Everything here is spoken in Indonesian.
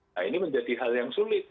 nah ini menjadi hal yang sulit